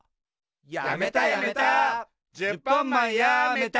やめたやめた。